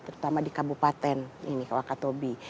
terutama di kabupaten ini kawakat obi